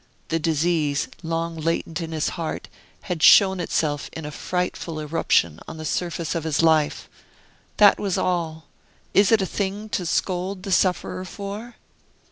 The disease, long latent in his heart, had shown itself in a frightful eruption on the surface of his life. That was all! Is it a thing to scold the sufferer for?